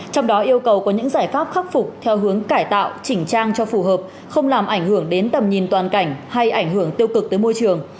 trong đó yêu cầu có những giải pháp khắc phục theo hướng cải tạo chỉnh trang cho phù hợp không làm ảnh hưởng đến tầm nhìn toàn cảnh hay ảnh hưởng tiêu cực tới môi trường